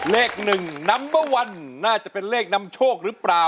เลขหนึ่งนัมเบอร์วันน่าจะเป็นเลขนำโชคหรือเปล่า